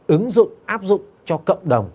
ứng dụng áp dụng cho cộng đồng